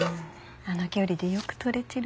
あの距離でよく撮れてる。